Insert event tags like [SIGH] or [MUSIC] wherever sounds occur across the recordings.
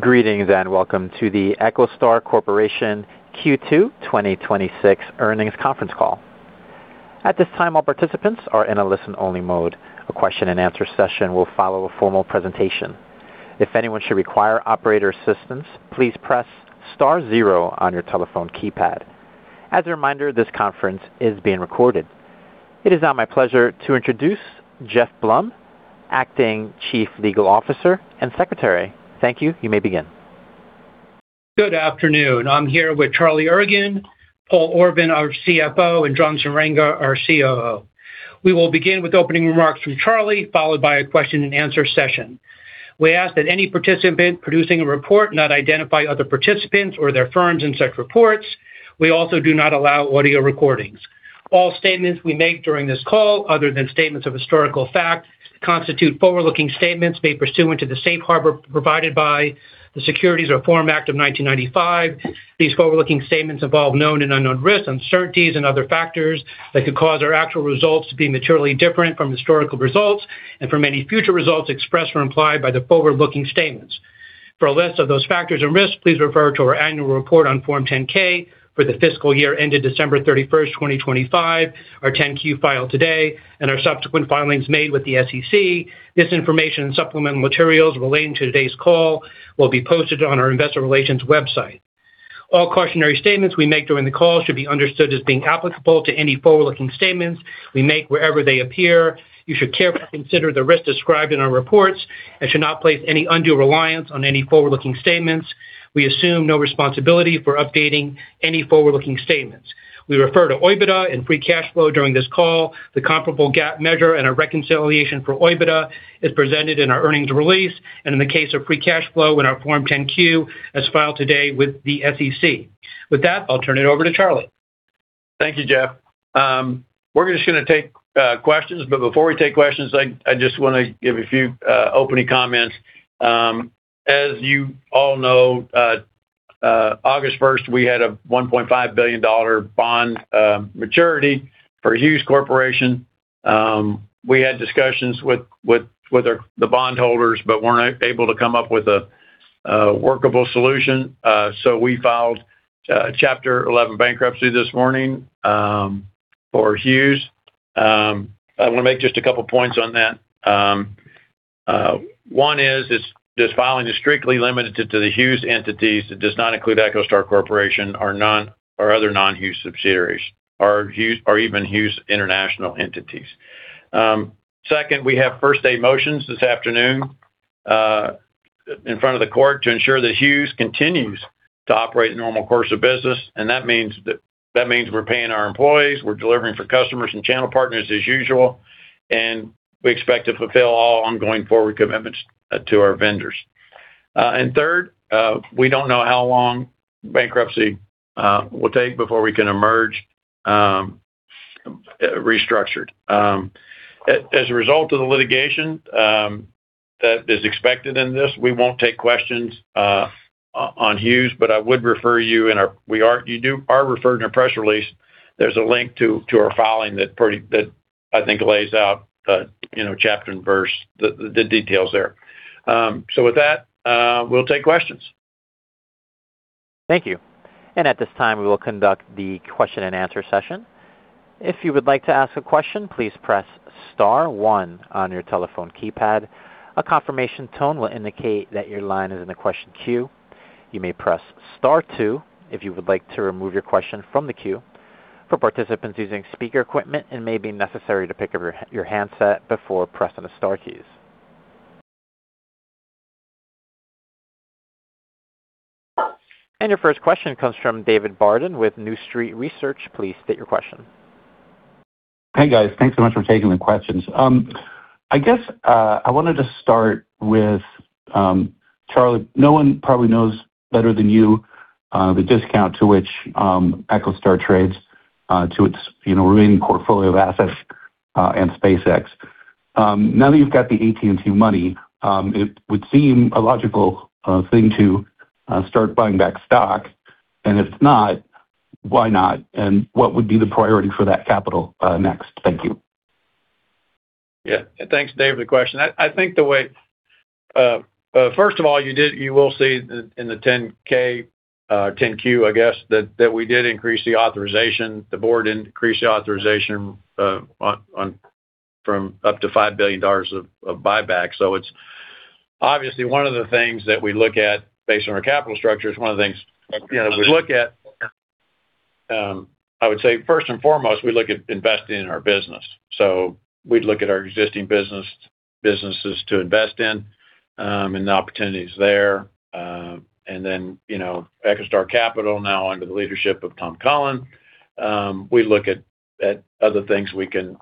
Greetings, and welcome to the EchoStar Corporation Q2 2026 Earnings Conference Call. At this time, all participants are in a listen-only mode. A question-and-answer session will follow a formal presentation. If anyone should require operator assistance, please press star zero on your telephone keypad. As a reminder, this conference is being recorded. It is now my pleasure to introduce Jeff Blum, Acting Chief Legal Officer and Secretary. Thank you. You may begin. Good afternoon. I'm here with Charlie Ergen, Paul Orban, our CFO, and John Swieringa, our COO. We will begin with opening remarks from Charlie, followed by a question-and-answer session. We ask that any participant producing a report not identify other participants or their firms in such reports. We also do not allow audio recordings. All statements we make during this call, other than statements of historical fact, constitute forward-looking statements made pursuant to the safe harbor provided by the Securities Reform Act of 1995. These forward-looking statements involve known and unknown risks, uncertainties, and other factors that could cause our actual results to be materially different from historical results and from any future results expressed or implied by the forward-looking statements. For a list of those factors and risks, please refer to our annual report on Form 10-K for the fiscal year ended December 31st, 2025, our 10-Q filed today, and our subsequent filings made with the SEC. This information and supplemental materials relating to today's call will be posted on our investor relations website. All cautionary statements we make during the call should be understood as being applicable to any forward-looking statements we make wherever they appear. You should carefully consider the risks described in our reports and should not place any undue reliance on any forward-looking statements. We assume no responsibility for updating any forward-looking statements. We refer to OIBDA and free cash flow during this call. The comparable GAAP measure and our reconciliation for OIBDA is presented in our earnings release and, in the case of free cash flow, in our Form 10-Q, as filed today with the SEC. With that, I'll turn it over to Charlie. Thank you, Jeff. We're just going to take questions, but before we take questions, I just want to give a few opening comments. As you all know, August 1st, we had a $1.5 billion bond maturity for Hughes Corporation. We had discussions with the bondholders but weren't able to come up with a workable solution. We filed Chapter 11 bankruptcy this morning for Hughes. I want to make just a couple points on that. One is, this filing is strictly limited to the Hughes entities. It does not include EchoStar Corporation, our other non-Hughes subsidiaries, or even Hughes international entities. Second, we have first-day motions this afternoon in front of the court to ensure that Hughes continues to operate the normal course of business, and that means we're paying our employees, we're delivering for customers and channel partners as usual, and we expect to fulfill all ongoing forward commitments to our vendors. Third, we don't know how long bankruptcy will take before we can emerge restructured. As a result of the litigation that is expected in this, we won't take questions on Hughes, but I would refer you, and you are referred in our press release, there's a link to our filing that I think lays out chapter and verse the details there. With that, we'll take questions. Thank you. At this time, we will conduct the question-and-answer session. If you would like to ask a question, please press star one on your telephone keypad. A confirmation tone will indicate that your line is in the question queue. You may press star two if you would like to remove your question from the queue. For participants using speaker equipment, it may be necessary to pick up your handset before pressing the star keys. Your first question comes from David Barden with New Street Research. Please state your question. Hey, guys. Thanks so much for taking the questions. I guess I wanted to start with Charlie. No one probably knows better than you the discount to which EchoStar trades to its remaining portfolio of assets and SpaceX. Now that you've got the AT&T money, it would seem a logical thing to start buying back stock. If not, why not? What would be the priority for that capital next? Thank you. Yeah. Thanks, Dave, for the question. First of all, you will see in the 10-K, 10-Q, I guess, that we did increase the authorization. The board increased the authorization up to $5 billion of buyback. Obviously, one of the things that we look at based on our capital structure is one of the things we look at, I would say first and foremost, we look at investing in our business. We'd look at our existing businesses to invest in and the opportunities there. EchoStar Capital, now under the leadership of Tom Cullen, we look at other things we can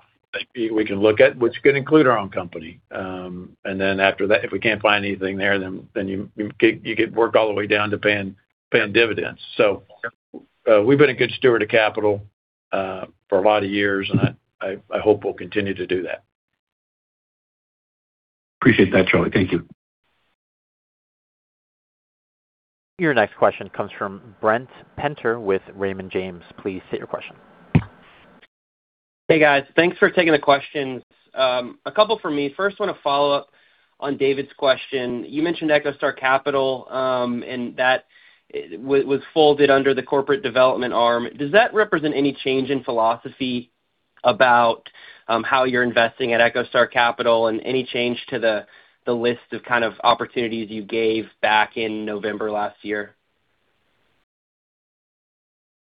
look at, which could include our own company. After that, if we can't find anything there, you could work all the way down to paying dividends. We've been a good steward of capital for a lot of years, and I hope we'll continue to do that. Appreciate that, Charlie. Thank you. Your next question comes from Brent Penter with Raymond James. Please state your question. Hey guys, thanks for taking the questions. A couple from me. First, I want to follow up on David's question. You mentioned EchoStar Capital, and that was folded under the corporate development arm. Does that represent any change in philosophy about how you're investing at EchoStar Capital and any change to the list of kind of opportunities you gave back in November last year?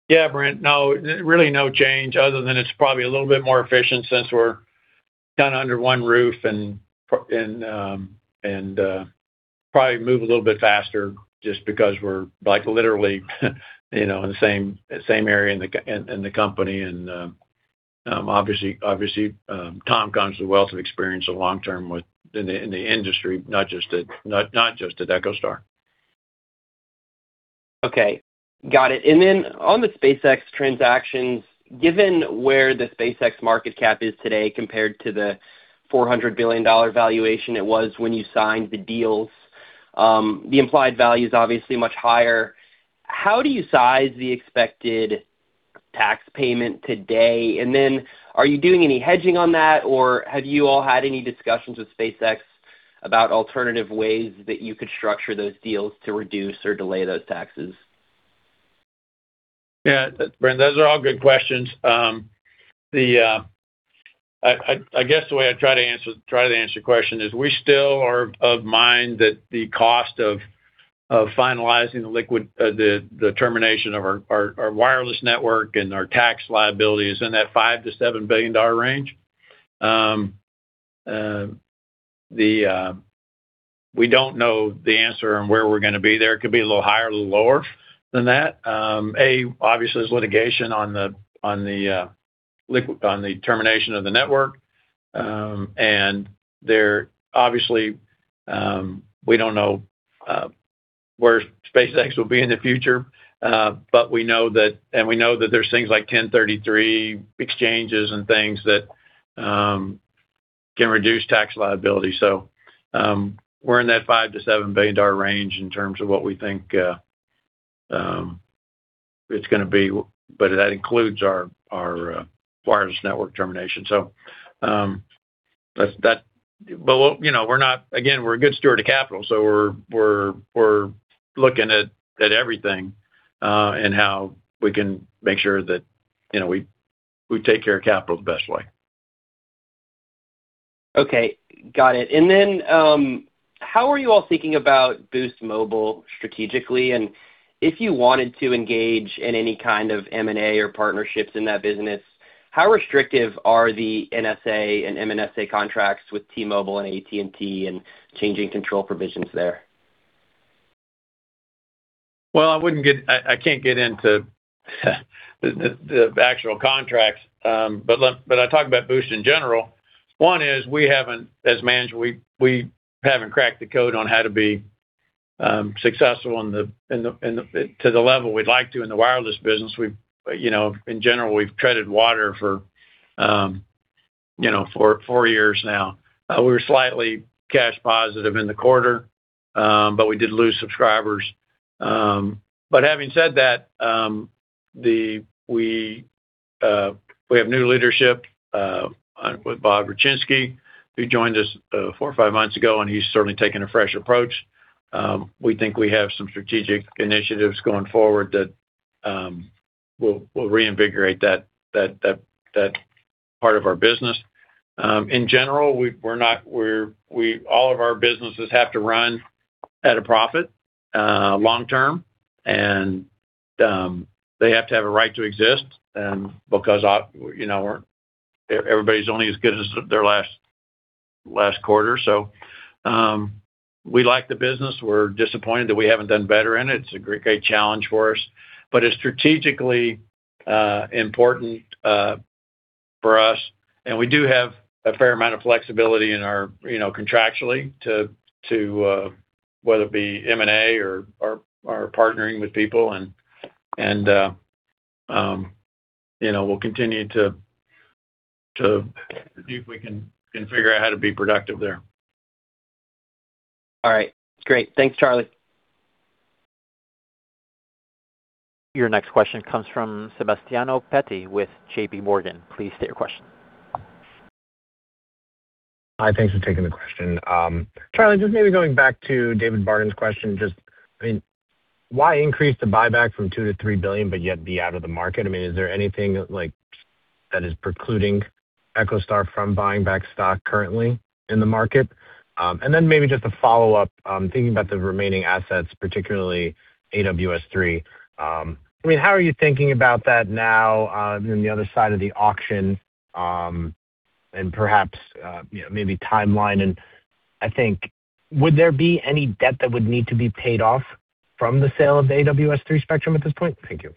Yeah, Brent. No, really no change other than it's probably a little bit more efficient since we're done under one roof and probably move a little bit faster just because we're literally in the same area in the company. Obviously, Tom comes with wealth of experience of long-term in the industry, not just at EchoStar. Okay. Got it. On the SpaceX transactions, given where the SpaceX market cap is today compared to the $400 billion valuation it was when you signed the deals, the implied value is obviously much higher. How do you size the expected tax payment today? Are you doing any hedging on that, or have you all had any discussions with SpaceX about alternative ways that you could structure those deals to reduce or delay those taxes? Yeah. Brent, those are all good questions. I guess the way I try to answer your question is we still are of mind that the cost of finalizing the termination of our wireless network and our tax liability is in that $5 billion-$7 billion range. We don't know the answer on where we're going to be there. It could be a little higher, a little lower than that. Obviously, there's litigation on the termination of the network. Obviously, we don't know where SpaceX will be in the future, and we know that there's things like 1033 exchanges and things that can reduce tax liability. We're in that $5 billion-$7 billion range in terms of what we think it's going to be, but that includes our wireless network termination. We're a good steward of capital, so we're looking at everything, and how we can make sure that we take care of capital the best way. Okay. Got it. How are you all thinking about Boost Mobile strategically? If you wanted to engage in any kind of M&A or partnerships in that business, how restrictive are the NSA and MNSA contracts with T-Mobile and AT&T and changing control provisions there? Well, I can't get into the actual contracts. I talk about Boost in general. One is, as management, we haven't cracked the code on how to be successful to the level we'd like to in the wireless business. In general, we've treaded water for four years now. We were slightly cash positive in the quarter, but we did lose subscribers. Having said that, we have new leadership with Bob Rupczynski, who joined us four or five months ago, and he's certainly taken a fresh approach. We think we have some strategic initiatives going forward that will reinvigorate that part of our business. In general, all of our businesses have to run at a profit, long term. They have to have a right to exist, because everybody's only as good as their last quarter. We like the business. We're disappointed that we haven't done better in it. It's a great challenge for us, but it's strategically important for us, we do have a fair amount of flexibility contractually to whether it be M&A or partnering with people and we'll continue to see if we can figure out how to be productive there. All right. Great. Thanks, Charlie. Your next question comes from Sebastiano Petti with JPMorgan. Please state your question. Hi, thanks for taking the question. Charlie, maybe going back to David Barden's question, why increase the buyback from $2 billion-$3 billion, but yet be out of the market? Is there anything that is precluding EchoStar from buying back stock currently in the market? Maybe just a follow-up, thinking about the remaining assets, particularly AWS-3, how are you thinking about that now on the other side of the auction, and perhaps maybe timeline? Would there be any debt that would need to be paid off from the sale of AWS-3 spectrum at this point? Thank you.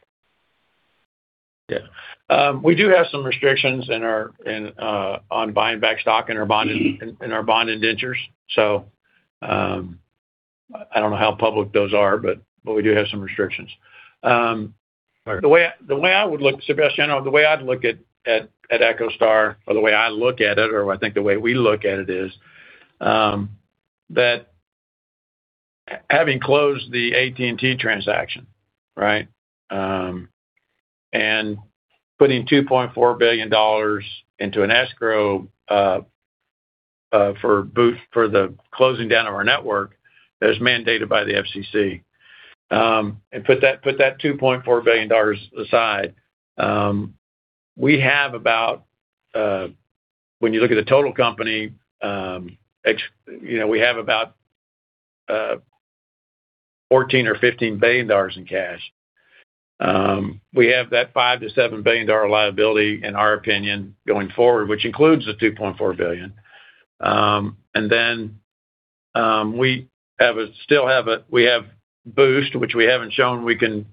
We do have some restrictions on buying back stock in our bond indentures. I don't know how public those are, but we do have some restrictions. Sebastiano, the way I'd look at EchoStar, or the way I look at it, or I think the way we look at it is that Having closed the AT&T transaction, and putting $2.4 billion into an escrow for Boost for the closing down of our network as mandated by the FCC. Put that $2.4 billion aside. You look at the total company, we have about $14 billion or $15 billion in cash. We have that $5 billion-$7 billion liability, in our opinion, going forward, which includes the $2.4 billion. We have Boost, which is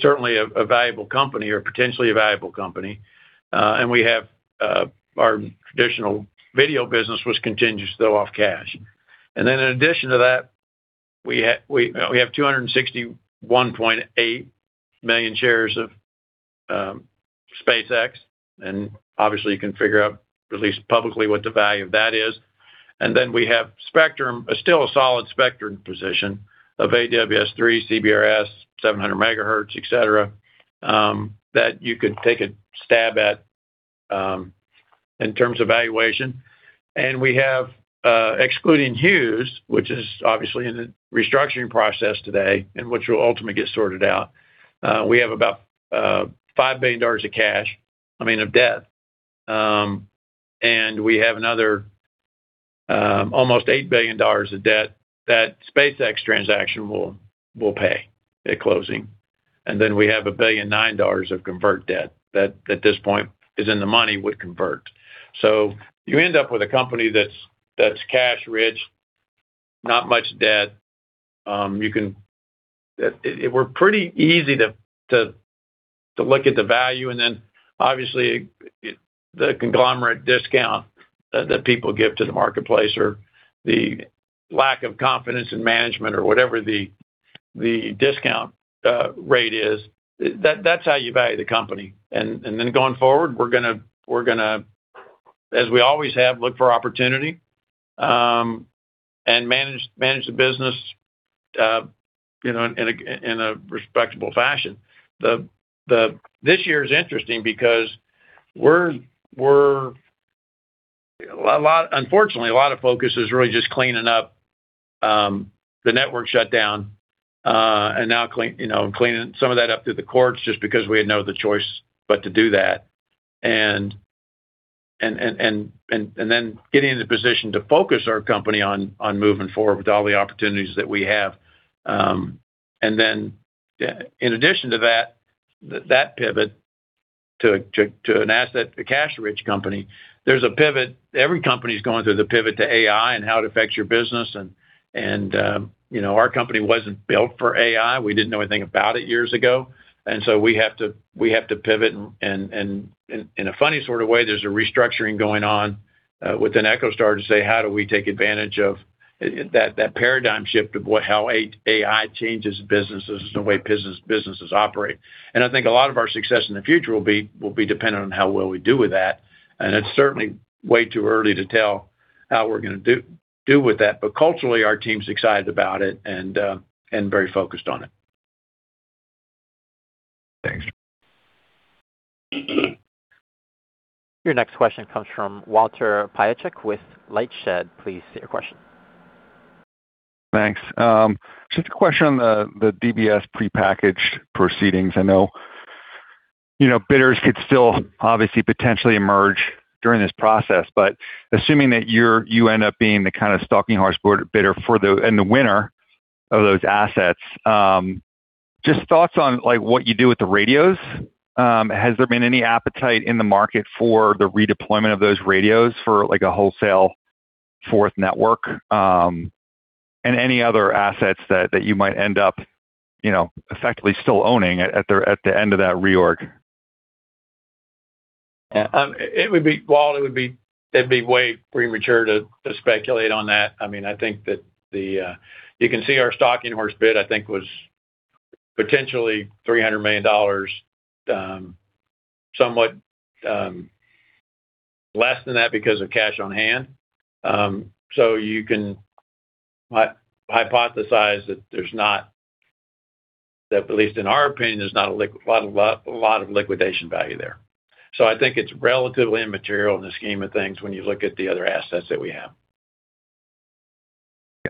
certainly a valuable company or potentially a valuable company. Our traditional video business, which continues to throw off cash. In addition to that, we have 261.8 million shares of SpaceX, and obviously you can figure out at least publicly what the value of that is. We have still a solid spectrum position of AWS-3, CBRS, 700 MHz, et cetera, that you could take a stab at in terms of valuation. Excluding Hughes, which is obviously in the restructuring process today and which will ultimately get sorted out, we have about $5 billion of debt that SpaceX transaction will pay at closing. We have $1.9 billion of convert debt that at this point is in the money with convert. You end up with a company that's cash rich, not much debt. We're pretty easy to look at the value and obviously the conglomerate discount that people give to the marketplace or the lack of confidence in management or whatever the discount rate is. That's how you value the company. Going forward, we're going to, as we always have, look for opportunity, and manage the business in a respectable fashion. This year is interesting because unfortunately, a lot of focus is really just cleaning up the network shutdown, and cleaning some of that up through the courts just because we had no other choice but to do that. Getting in the position to focus our company on moving forward with all the opportunities that we have. In addition to that pivot to an asset, a cash-rich company, every company's going through the pivot to AI and how it affects your business, and our company wasn't built for AI. We didn't know anything about it years ago. We have to pivot, and in a funny sort of way, there's a restructuring going on within EchoStar to say, how do we take advantage of that paradigm shift of how AI changes businesses and the way businesses operate. I think a lot of our success in the future will be dependent on how well we do with that, and it's certainly way too early to tell how we're going to do with that. Culturally, our team's excited about it and very focused on it. Thanks. Your next question comes from Walter Piecyk with LightShed. Please state your question. Thanks. Just a question on the DBS prepackaged proceedings. I know bidders could still obviously potentially emerge during this process, but assuming that you end up being the kind of stalking horse bidder and the winner of those assets, just thoughts on what you do with the radios. Has there been any appetite in the market for the redeployment of those radios for a wholesale fourth network? Any other assets that you might end up effectively still owning at the end of that reorg? Walt, it'd be way premature to speculate on that. You can see our stalking horse bid, I think, was potentially $300 million, somewhat less than that because of cash on hand. You can hypothesize that, at least in our opinion, there's not a lot of liquidation value there. I think it's relatively immaterial in the scheme of things when you look at the other assets that we have.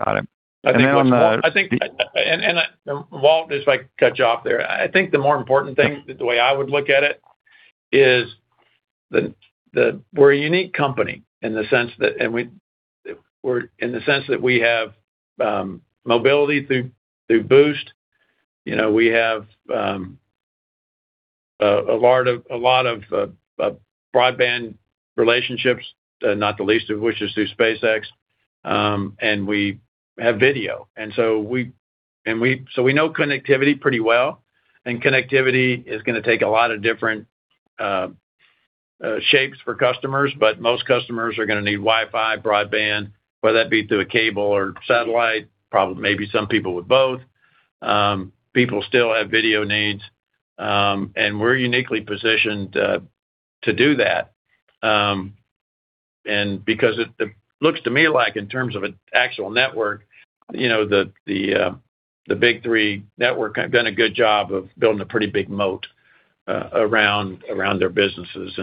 Got it. Walt, if I could cut you off there. I think the more important thing, the way I would look at it, is we're a unique company in the sense that we have mobility through Boost. We have a lot of broadband relationships, not the least of which is through SpaceX. We have video. We know connectivity pretty well, and connectivity is going to take a lot of different shapes for customers, but most customers are going to need Wi-Fi, broadband, whether that be through a cable or satellite, maybe some people with both. People still have video needs. We're uniquely positioned to do that. Because it looks to me like in terms of an actual network, the big three network have done a good job of building a pretty big moat around their businesses.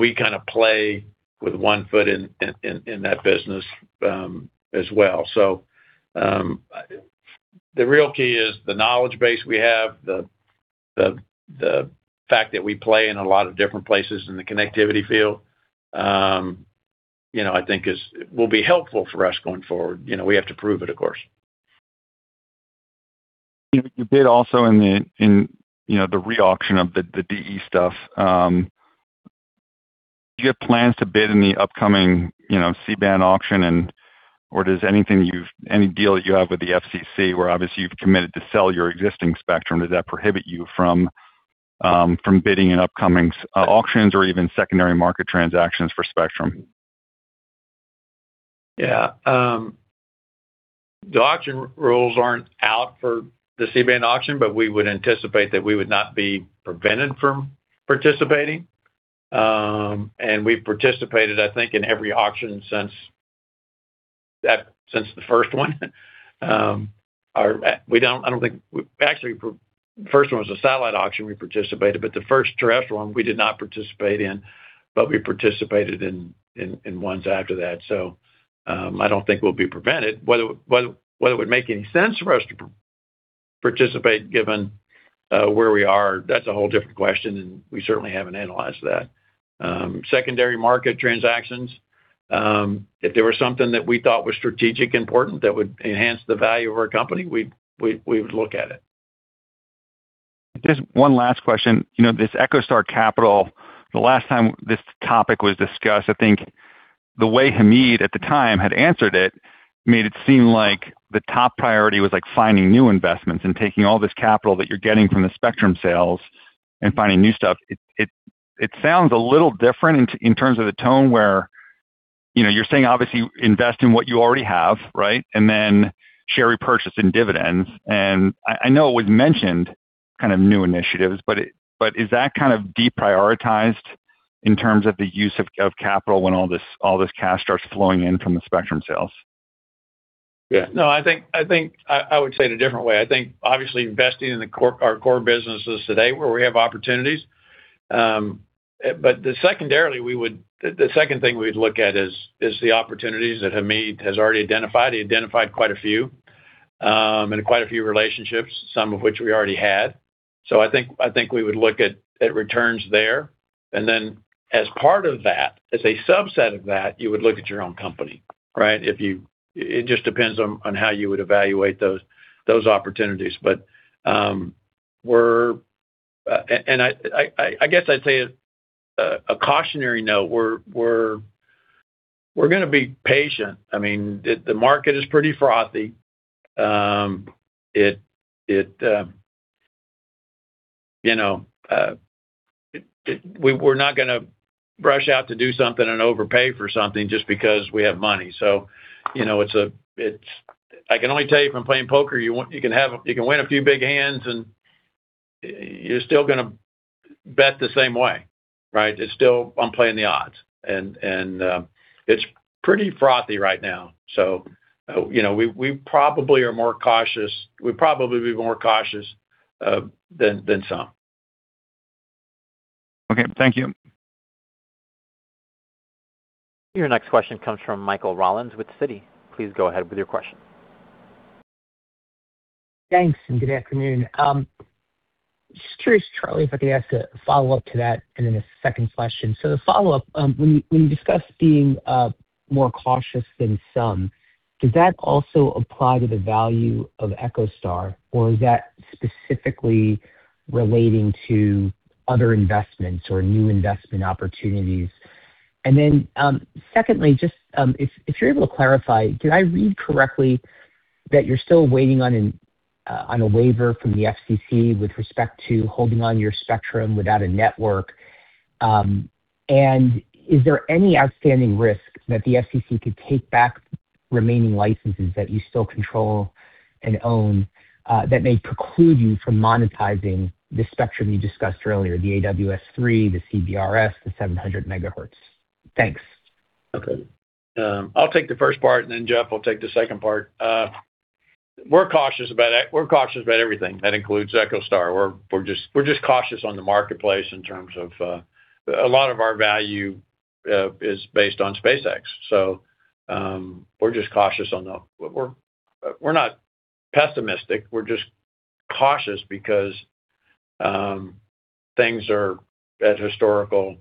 We kind of play with one foot in that business as well. The real key is the knowledge base we have, the fact that we play in a lot of different places in the connectivity field, I think will be helpful for us going forward. We have to prove it, of course. You bid also in the re-auction of the DE stuff. Do you have plans to bid in the upcoming C-band auction? Does any deal that you have with the FCC, where obviously you've committed to sell your existing spectrum, does that prohibit you from bidding in upcoming auctions or even secondary market transactions for spectrum? The auction rules aren't out for the C-band auction, but we would anticipate that we would not be prevented from participating. We've participated, I think, in every auction since the first one. Actually, the first one was a satellite auction we participated, but the first terrestrial one we did not participate in, but we participated in ones after that. I don't think we'll be prevented. Whether it would make any sense for us to participate, given where we are, that's a whole different question, and we certainly haven't analyzed that. Secondary market transactions, if there was something that we thought was strategic important that would enhance the value of our company, we would look at it. Just one last question. This EchoStar Capital, the last time this topic was discussed, I think the way Hamid at the time had answered it, made it seem like the top priority was finding new investments and taking all this capital that you're getting from the spectrum sales and finding new stuff. It sounds a little different in terms of the tone, where you're saying, obviously, invest in what you already have, right? Then share repurchase and dividends. I know it was mentioned kind of new initiatives, but is that kind of deprioritized in terms of the use of capital when all this cash starts flowing in from the spectrum sales? Yeah. No, I think I would say it a different way. I think obviously investing in our core businesses today where we have opportunities. The second thing we'd look at is the opportunities that Hamid has already identified. He identified quite a few, and quite a few relationships, some of which we already had. I think we would look at returns there. Then as part of that, as a subset of that, you would look at your own company, right? It just depends on how you would evaluate those opportunities. I guess I'd say a cautionary note, we're going to be patient. I mean, the market is pretty frothy. We're not going to rush out to do something and overpay for something just because we have money. I can only tell you from playing poker, you can win a few big hands, and you're still going to bet the same way, right? It's still I'm playing the odds. It's pretty frothy right now, so we probably will be more cautious than some. Okay. Thank you. Your next question comes from Michael Rollins with Citi. Please go ahead with your question. Thanks, good afternoon. Just curious, Charlie, if I could ask a follow-up to that, then a second question. The follow-up, when you discuss being more cautious than some, does that also apply to the value of EchoStar, or is that specifically relating to other investments or new investment opportunities? Secondly, if you're able to clarify, did I read correctly that you're still waiting on a waiver from the FCC with respect to holding on your spectrum without a network? Is there any outstanding risk that the FCC could take back remaining licenses that you still control and own, that may preclude you from monetizing the spectrum you discussed earlier, the AWS-3, the CBRS, the 700 MHz? Thanks. I'll take the first part, then Jeff will take the second part. We're cautious about everything, that includes EchoStar. We're just cautious on the marketplace in terms of a lot of our value is based on SpaceX. We're just cautious on the--we're not pessimistic, we're just cautious because things are at historical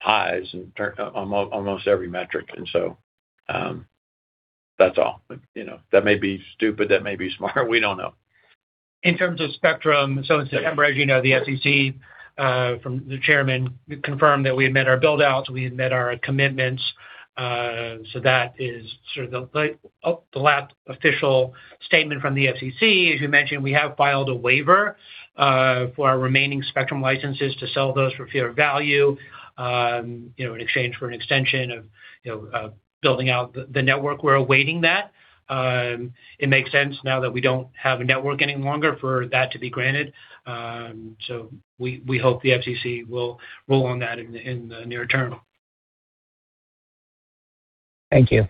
highs in almost every metric, that's all. That may be stupid, that may be smart, we don't know. In terms of spectrum, in September, as you know, the FCC, from the chairman, confirmed that we had met our build-outs, we had met our commitments. That is sort of the last official statement from the FCC. As you mentioned, we have filed a waiver for our remaining spectrum licenses to sell those for fair value, in exchange for an extension of building out the network. We're awaiting that. It makes sense now that we don't have a network any longer for that to be granted. We hope the FCC will rule on that in the near term. Thank you.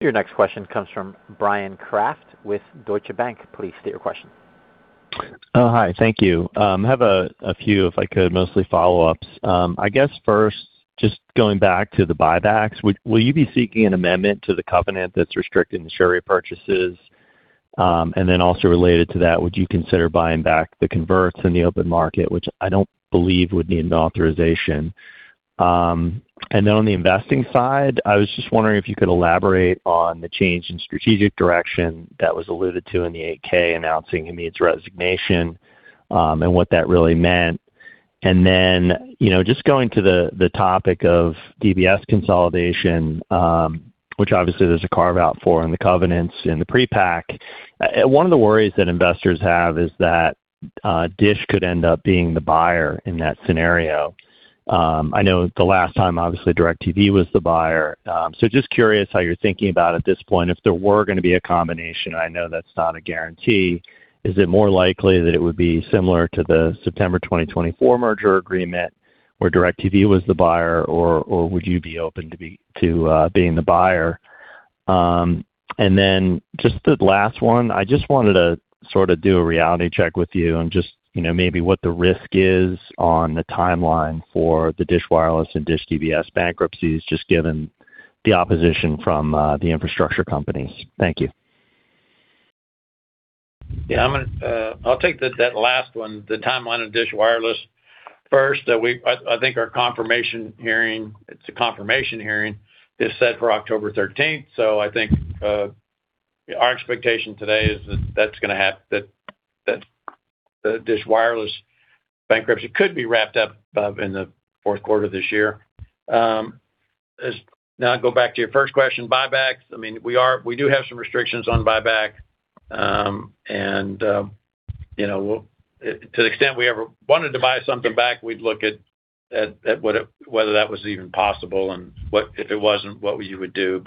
Your next question comes from Bryan Kraft with Deutsche Bank. Please state your question. Hi, thank you. I have a few, if I could, mostly follow-ups. I guess first, just going back to the buybacks, will you be seeking an amendment to the covenant that's restricting the share repurchases? Also related to that, would you consider buying back the converts in the open market, which I don't believe would need an authorization? On the investing side, I was just wondering if you could elaborate on the change in strategic direction that was alluded to in the 8-K announcing Hamid's resignation, and what that really meant. Just going to the topic of DBS consolidation, which obviously there's a carve-out for in the covenants in the pre-pack. One of the worries that investors have is that DISH could end up being the buyer in that scenario. I know the last time, obviously, DirecTV was the buyer. Just curious how you're thinking about, at this point, if there were going to be a combination, I know that's not a guarantee. Is it more likely that it would be similar to the September 2024 merger agreement where DirecTV was the buyer, or would you be open to being the buyer? Just the last one, I just wanted to sort of do a reality check with you on just maybe what the risk is on the timeline for the DISH Wireless and DISH DBS bankruptcies, just given the opposition from the infrastructure companies. Thank you. Yeah. I'll take that last one, the timeline of DISH Wireless first. I think our confirmation hearing is set for October 13th. I think our expectation today is that the DISH Wireless bankruptcy could be wrapped up in the fourth quarter of this year. Now to go back to your first question, buybacks. We do have some restrictions on buyback. To the extent we ever wanted to buy something back, we'd look at whether that was even possible and if it wasn't, what we would do.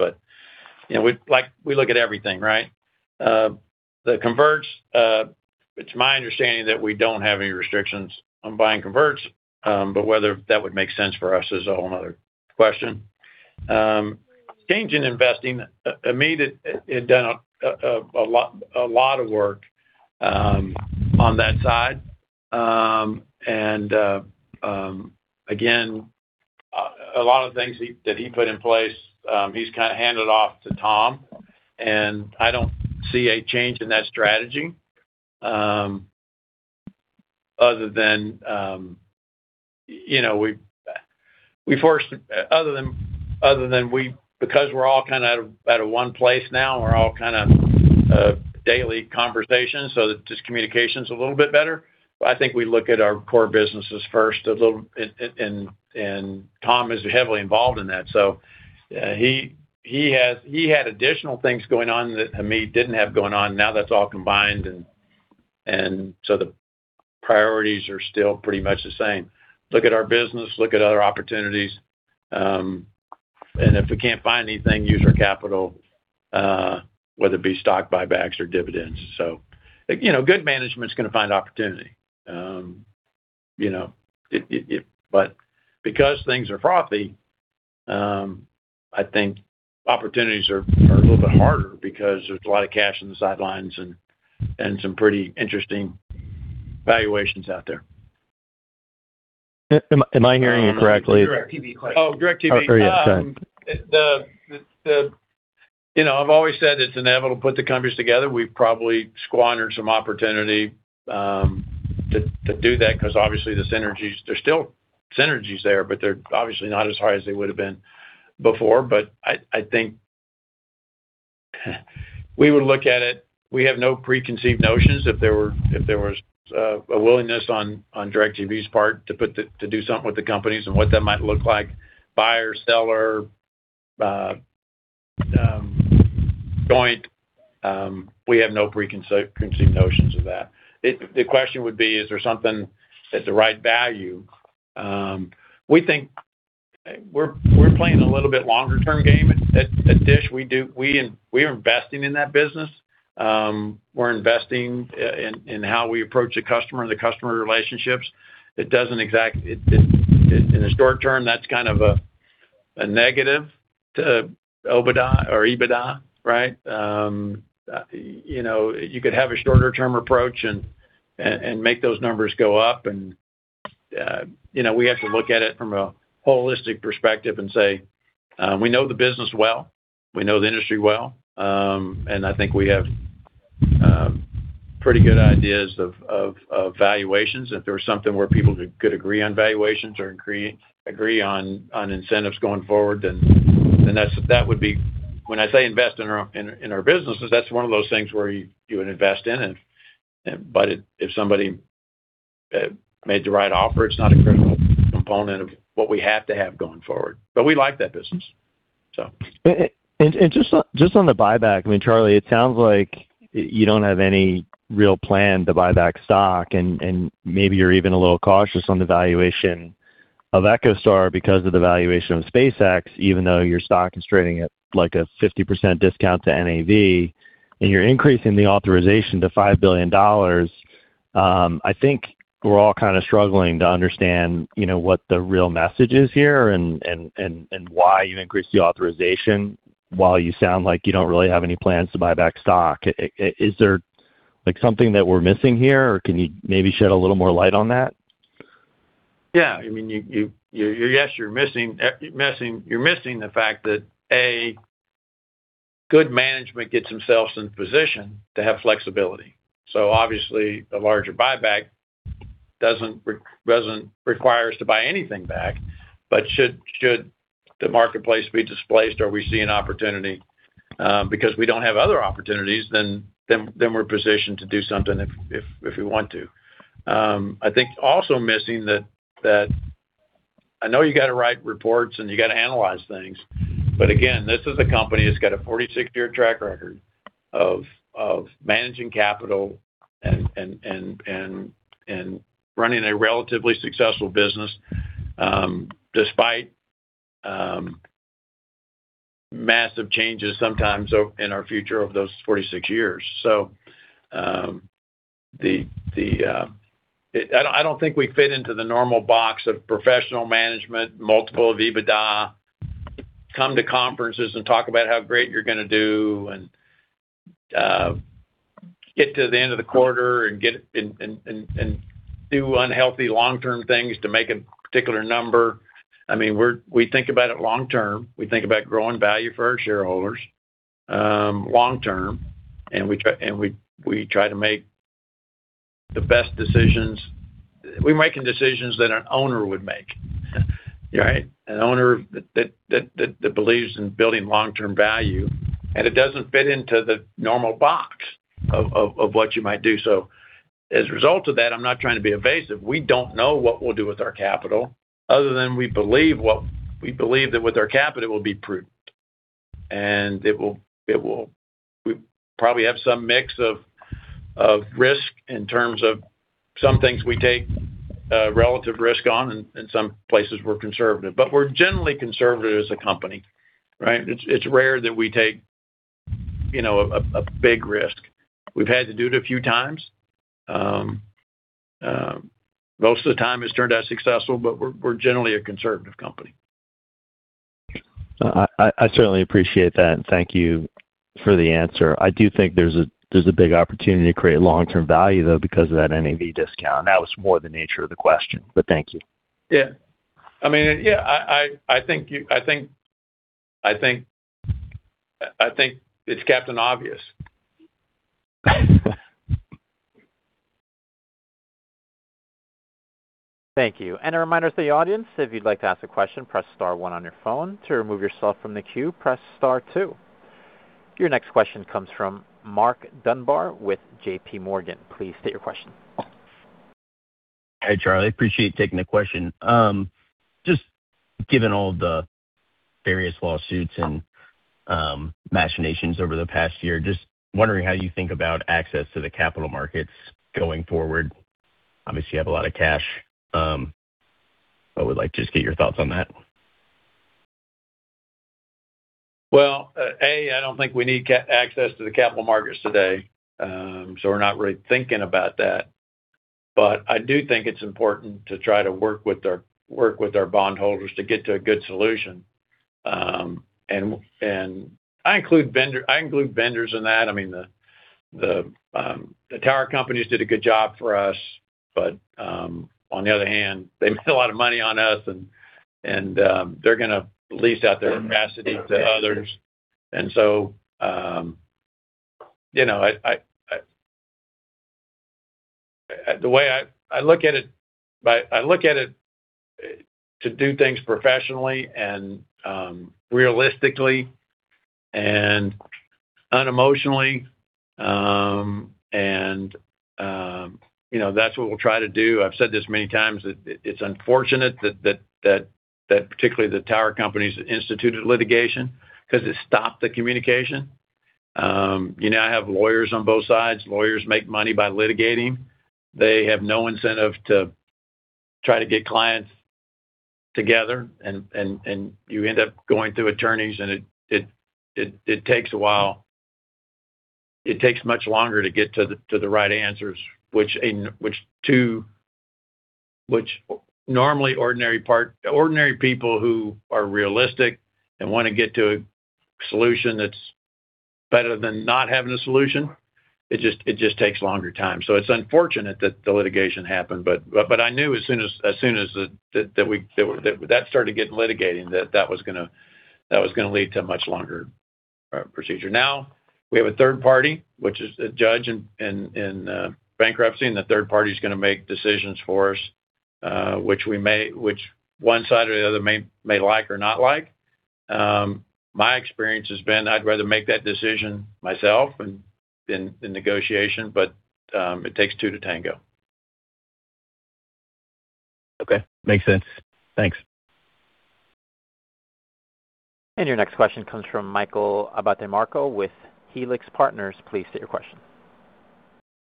We look at everything, right? The converts, it's my understanding that we don't have any restrictions on buying converts, but whether that would make sense for us is a whole other question. Change in investing, Hamid had done a lot of work on that side. Again, a lot of things that he put in place, he's kind of handed off to Tom, and I don't see a change in that strategy. Other than because we're all out of one place now and we're all kind of daily conversations, so just communication's a little bit better. I think we look at our core businesses first a little, and Tom is heavily involved in that. He had additional things going on that Hamid didn't have going on. Now that's all combined, and so the priorities are still pretty much the same. Look at our business, look at other opportunities, and if we can't find anything, use our capital, whether it be stock buybacks or dividends. Good management's going to find opportunity. Because things are frothy, I think opportunities are a little bit harder because there's a lot of cash on the sidelines and some pretty interesting valuations out there. Am I hearing you correctly? [CROSSTALK] DirecTV question. Oh, DirecTV. Oh, sorry. Yeah, go ahead. I've always said it's inevitable to put the companies together. We've probably squandered some opportunity to do that because obviously there's still synergies there, but they're obviously not as high as they would've been before. I think we would look at it. We have no preconceived notions. If there was a willingness on DirecTV's part to do something with the companies and what that might look like, buyer, seller, joint, we have no preconceived notions of that. The question would be, is there something at the right value? We think we're playing a little bit longer-term game at DISH. We are investing in that business. We're investing in how we approach the customer and the customer relationships. In the short term, that's kind of a negative to OIBDA or EBITDA. You could have a shorter-term approach and make those numbers go up and we have to look at it from a holistic perspective and say, we know the business well, we know the industry well, and I think we have pretty good ideas of valuations. If there was something where people could agree on valuations or agree on incentives going forward, when I say invest in our businesses, that's one of those things where you would invest in it. If somebody made the right offer, it's not a critical component of what we have to have going forward. We like that business, so. Just on the buyback, Charlie, it sounds like you don't have any real plan to buyback stock, and maybe you're even a little cautious on the valuation of EchoStar because of the valuation of SpaceX, even though your stock is trading at a 50% discount to NAV and you're increasing the authorization to $5 billion. We're all kind of struggling to understand what the real message is here and why you increased the authorization while you sound like you don't really have any plans to buyback stock. Is there something that we're missing here, or can you maybe shed a little more light on that? Yes, you're missing the fact that, A, good management gets themselves in position to have flexibility. Obviously, the larger buyback doesn't require us to buy anything back. Should the marketplace be displaced or we see an opportunity because we don't have other opportunities, then we're positioned to do something if we want to. Also missing that, I know you got to write reports and you got to analyze things. Again, this is a company that's got a 46-year track record of managing capital and running a relatively successful business, despite massive changes sometimes in our future over those 46 years. I don't think we fit into the normal box of professional management, multiple of EBITDA, come to conferences and talk about how great you're going to do and get to the end of the quarter and do unhealthy long-term things to make a particular number. We think about it long term. We think about growing value for our shareholders long term, and we try to make the best decisions. We're making decisions that an owner would make. Right. An owner that believes in building long-term value, and it doesn't fit into the normal box of what you might do. As a result of that, I'm not trying to be evasive. We don't know what we'll do with our capital other than we believe that with our capital, we'll be prudent. We probably have some mix of risk in terms of some things we take a relative risk on, and some places we're conservative. We're generally conservative as a company, right. It's rare that we take a big risk. We've had to do it a few times. Most of the time, it's turned out successful, but we're generally a conservative company. I certainly appreciate that. Thank you for the answer. I do think there's a big opportunity to create long-term value, though, because of that NAV discount. That was more the nature of the question. Thank you. Yeah. I think it's Captain Obvious. Thank you. A reminder to the audience, if you'd like to ask a question, press star one on your phone. To remove yourself from the queue, press star two. Your next question comes from Mark Dunbar with JPMorgan. Please state your question. Hey, Charlie. Appreciate taking the question. Just given all the various lawsuits and machinations over the past year, just wondering how you think about access to the capital markets going forward. Obviously, you have a lot of cash. I would like to just get your thoughts on that. I don't think we need access to the capital markets today, we're not really thinking about that. I do think it's important to try to work with our bondholders to get to a good solution. I include vendors in that. The tower companies did a good job for us. On the other hand, they made a lot of money on us, and they're going to lease out their capacity to others. The way I look at it, to do things professionally and realistically and unemotionally, that's what we'll try to do. I've said this many times, that it's unfortunate that particularly the tower companies instituted litigation because it stopped the communication. I have lawyers on both sides. Lawyers make money by litigating. They have no incentive to try to get clients together, and you end up going through attorneys, and it takes a while. It takes much longer to get to the right answers, which normally ordinary people who are realistic and want to get to a solution that's better than not having a solution, it just takes longer time. It's unfortunate that the litigation happened, I knew as soon as that started getting litigated, that that was going to lead to a much longer procedure. Now we have a third party, which is a judge in bankruptcy, the third party's going to make decisions for us, which one side or the other may like or not like. My experience has been I'd rather make that decision myself in negotiation, it takes two to tango. Okay. Makes sense. Thanks. Your next question comes from Michael Abatemarco with Helix Partners. Please state your question.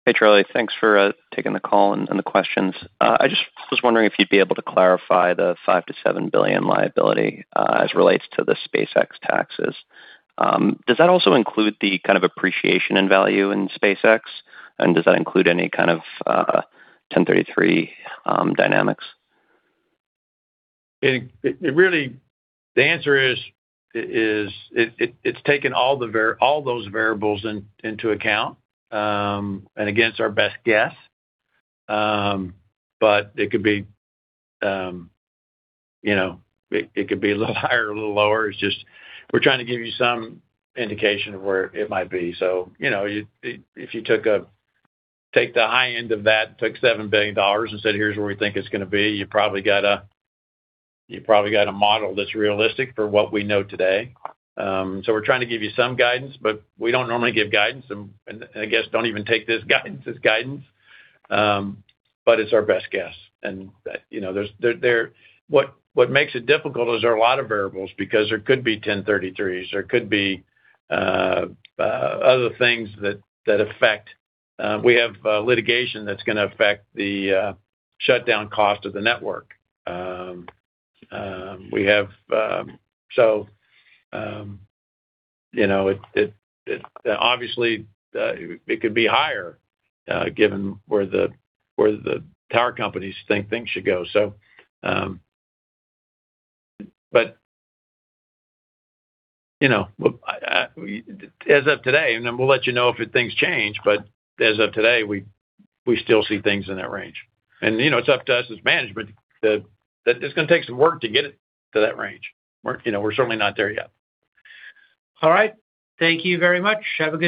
Hey, Charlie. Thanks for taking the call and the questions. I just was wondering if you'd be able to clarify the $5 billion-$7 billion liability as relates to the SpaceX taxes. Does that also include the kind of appreciation in value in SpaceX, and does that include any kind of 1033 dynamics? The answer is, it's taken all those variables into account, against our best guess. It could be a little higher or a little lower. It's just we're trying to give you some indication of where it might be. If you take the high end of that, take $7 billion and said, "Here's where we think it's going to be," you probably got a model that's realistic for what we know today. We're trying to give you some guidance, we don't normally give guidance, I guess don't even take this guidance as guidance. It's our best guess. What makes it difficult is there are a lot of variables, because there could be 1033s, there could be other things that affect. We have litigation that's going to affect the shutdown cost of the network. Obviously, it could be higher, given where the tower companies think things should go. As of today, and we'll let you know if things change, but as of today, we still see things in that range. It's up to us as management. It's going to take some work to get it to that range. We're certainly not there yet. All right. Thank you very much. Have a good day.